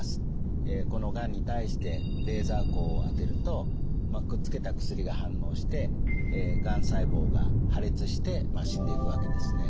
このがんに対してレーザー光を当てるとくっつけた薬が反応してがん細胞が破裂して死んでいくわけですね。